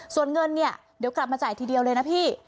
ส่วนเงินเนี่ยเดี๋ยวกลับมาจ่ายทีเดียวเลยนะพี่